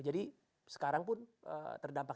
jadi sekarang pun terdampak